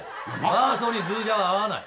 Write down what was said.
バーソーにズージャーは合わない。